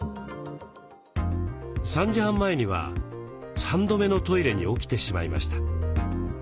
３時半前には３度目のトイレに起きてしまいました。